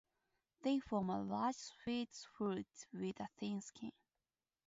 They form a large sweet fruit with a thin skin.